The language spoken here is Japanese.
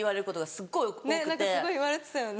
すごい言われてたよね。